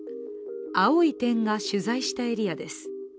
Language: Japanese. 青い点が取材したエリアです。